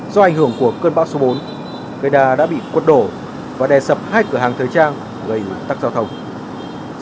do ảnh hưởng của cơn bão số bốn cây đa đã bị quật đổ và đe sập hai cửa hàng thời trang gây tắc giao thông